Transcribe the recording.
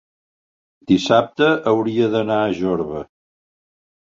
dissabte hauria d'anar a Jorba.